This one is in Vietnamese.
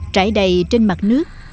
trải đầy trên mặt nước